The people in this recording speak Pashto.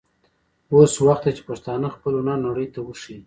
اوس وخت دی چې پښتانه خپل هنر نړۍ ته وښايي.